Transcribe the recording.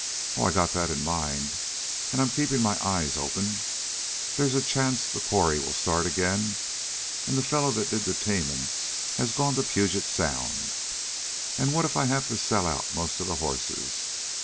"Oh, I got that in mind. An' I 'm keepin' my eyes open. They's a chance the quarry will start again, an' the fellow that did that teamin' has gone to Puget Sound. An' what if I have to sell out most of the horses?